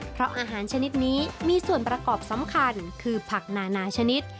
เพราะอาหารชนิดนี้มีส่วนประกอบสำคัญคือผักนานาชนิด